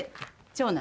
長男！